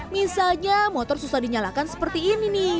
misalnya motor susah dinyalakan seperti ini nih